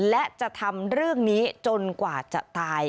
และจะทำเรื่องนี้จนกว่าจะตาย